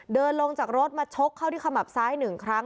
เดินลงจากรถมาชกเข้าที่ขมับซ้าย๑ครั้ง